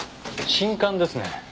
信管ですね。